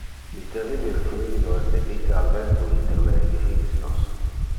Mi terribile frigido es debite al vento inter le edificios.